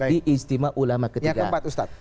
di istimewa ulama ketiga